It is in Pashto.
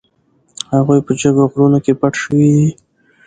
هغوی په جګو غرونو کې پټ شوي دي.